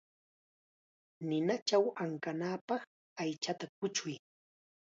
Ninachaw ankanapaq aychata kuchuy.